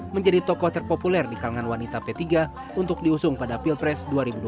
menjadi tokoh terpopuler di kalangan wanita p tiga untuk diusung pada pilpres dua ribu dua puluh